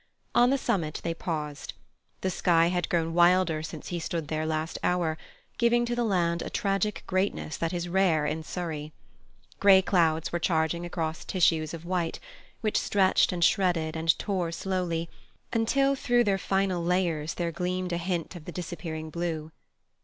On the summit they paused. The sky had grown wilder since he stood there last hour, giving to the land a tragic greatness that is rare in Surrey. Grey clouds were charging across tissues of white, which stretched and shredded and tore slowly, until through their final layers there gleamed a hint of the disappearing blue.